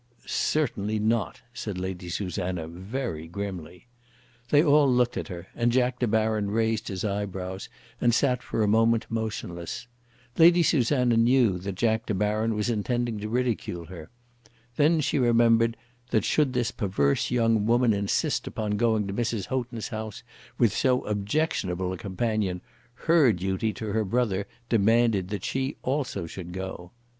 "Certainly not," said Lady Susanna, very grimly. They all looked at her, and Jack De Baron raised his eyebrows, and sat for a moment motionless. Lady Susanna knew that Jack De Baron was intending to ridicule her. Then she remembered that should this perverse young woman insist upon going to Mrs. Houghton's house with so objectionable a companion, her duty to her brother demanded that she also should go.